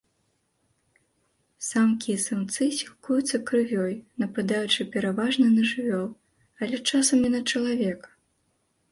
Самкі і самцы сілкуюцца крывёй, нападаючы пераважна на жывёл, але часам і на чалавека.